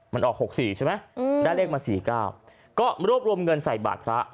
มันออก๖๔ใช่ไหมได้เลขมา๔๙ก็รวบรวมเงินใส่บาทพระ